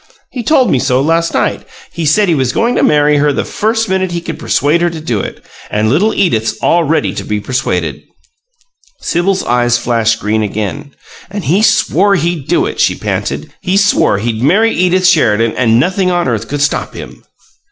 He told me so last night. He said he was going to marry her the first minute he could persuade her to it and little Edith's all ready to be persuaded!" Sibyl's eyes flashed green again. "And he swore he'd do it," she panted. "He swore he'd marry Edith Sheridan, and nothing on earth could stop him!"